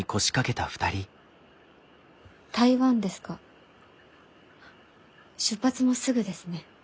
台湾ですか出発もすぐですね。